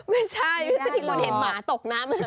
ไม่ใช่ไม่ใช่ที่เราเห็นหมาตกน้ำเลย